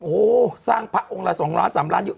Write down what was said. โอ้โหสร้างพระองค์ละ๒ล้าน๓ล้านอยู่